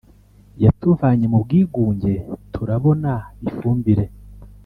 yatuvanye mu bwigunge turabona ifumbire